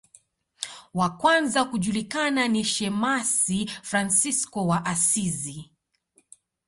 Wa kwanza kujulikana ni shemasi Fransisko wa Asizi.